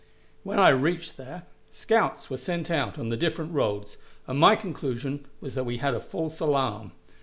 When I reached there, scouts were sent out on the different roads, and my conclusion was that we had had a false alarm.